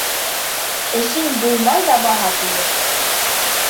Эшең булмай ҙабаһа, тиер.